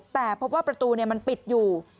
แต่พบว่าประตูมันปิดอยู่